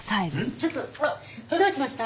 ちょっとどうしました？